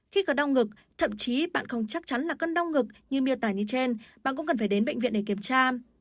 khi có đau ngực thậm chí bạn không chắc chắn là cơn đau ngực như miêu tả như trên bạn cũng cần phải đến bệnh viện để kiểm tra